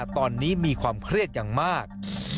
ตอนนี้มีความเครียดอย่างมาก